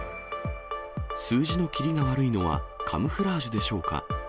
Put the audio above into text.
数字のキリが悪いのは、カムフラージュでしょうか。